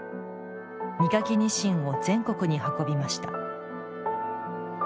身欠きにしんを全国に運びました。